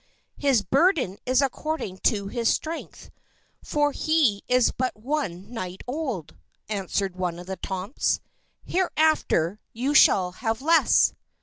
"His burden is according to his strength, for he is but one night old," answered one of the Tomts. "Hereafter you shall have less!"